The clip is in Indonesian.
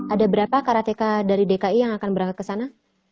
ada berapa karateka dari dki yang akan berangkat ke sana